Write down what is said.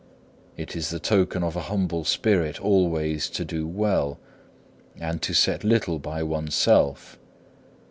It is the token of a humble spirit always to do well, and to set little by oneself.